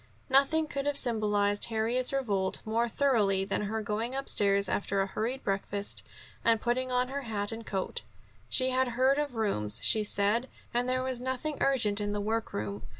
Nothing could have symbolized Harriet's revolt more thoroughly than her going upstairs after a hurried breakfast, and putting on her hat and coat. She had heard of rooms, she said, and there was nothing urgent in the work room.